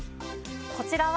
こちらは。